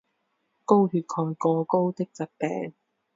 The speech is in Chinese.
高血钙过高的疾病。